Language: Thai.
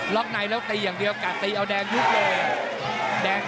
็อกในแล้วตีอย่างเดียวกะตีเอาแดงยุบเลย